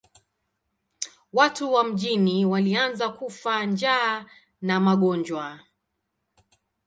Watu wa mjini walianza kufa njaa na magonjwa.